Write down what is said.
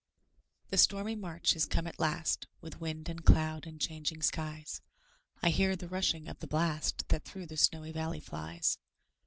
The stormy March is come at last, With wind, and cloud, and changing skies; I hear the rushing of the blast, That through the snowy valley flies.